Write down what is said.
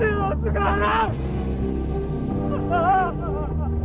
engaged kalau sudah wow